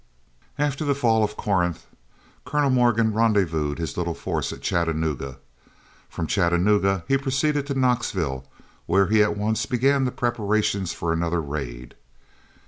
After the fall of Corinth, Colonel Morgan rendezvoused his little force at Chattanooga. From Chattanooga he proceeded to Knoxville, where he at once began the preparations for another raid.